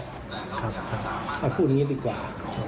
พูดอย่างนี้ดีกว่า